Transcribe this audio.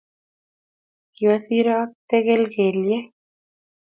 Kiwo siro ak tekelkelye.